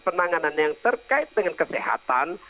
penanganan yang terkait dengan kesehatan